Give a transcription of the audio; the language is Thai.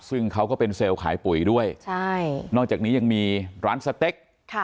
ซึ่งเขาก็เป็นเซลล์ขายปุ๋ยด้วยใช่นอกจากนี้ยังมีร้านสเต็ก